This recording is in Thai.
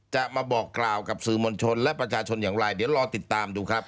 จะมาบอกกล่าวกับสื่อมวลชนและประชาชนอย่างไรเดี๋ยวรอติดตามดูครับ